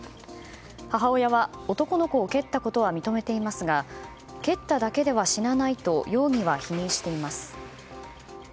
母親は男の子を蹴ったことは認めていますが蹴っただけでは死なないと容疑は否認しています。